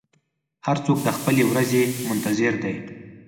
هر څوک د خپلې ورځې منتظر دی.